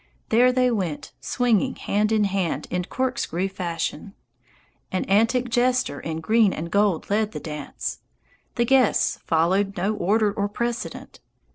There they went swinging hand in hand in corkscrew fashion. An antic jester in green and gold led the dance. The guests followed no order or precedent.